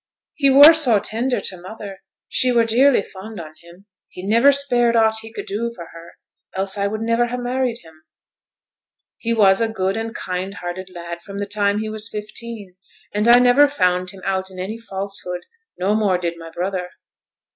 'He were so tender to mother; she were dearly fond on him; he niver spared aught he could do for her, else I would niver ha' married him.' 'He was a good and kind hearted lad from the time he was fifteen. And I never found him out in any falsehood, no more did my brother.'